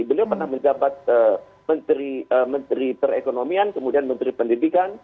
beliau pernah menjabat menteri perekonomian kemudian menteri pendidikan